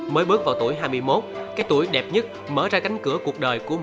mới bước vào tuổi hai mươi một cái tuổi đẹp nhất mở ra cánh cửa cuộc đời của người